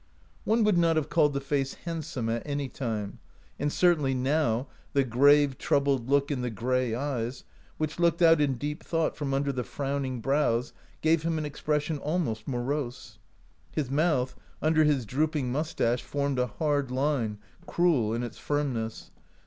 One would not have called the face hand some at any time, and certainly now the grave, troubled look in the gray eyes, which looked out in deep thought from under the frowning brows, gave him an expression al most morose. His mouth under his droop ing mustache formed a hard line, cruel in its firmness.